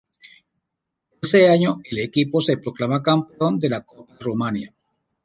Ese año el equipo se proclama campeón de la Copa de Rumania.